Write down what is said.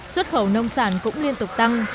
xuất khẩu nông sản cũng liên tục tăng